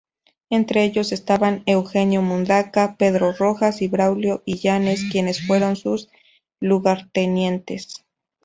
Entre ellos estaban Eugenio Mundaca, Pedro Rojas y Braulio Illanes quienes fueron sus lugartenientes.